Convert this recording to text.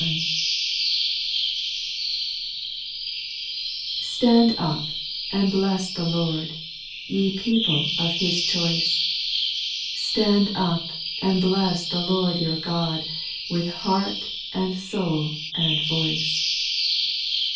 QTAND up, and bless the Lord, O Ye people of His choice ; Stand up, and bless the Lord your God, With heart, and soul, and voice.